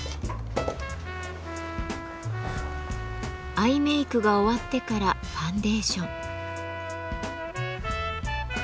アイメークが終わってからファンデーション。